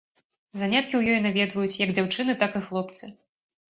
Заняткі ў ёй наведваюць як дзяўчыны, так і хлопцы.